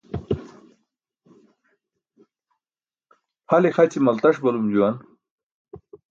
Hal ixaći maltaṣ balum juwan.